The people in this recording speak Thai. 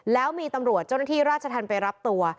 แล้วมีตำรวจเจ้าหน้าที่ราชธรรมไปรับตัว